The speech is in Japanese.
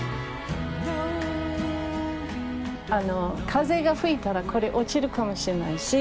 あの風が吹いたらこれ落ちるかもしれないし。